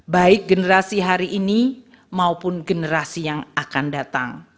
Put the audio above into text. baik generasi hari ini maupun generasi yang akan datang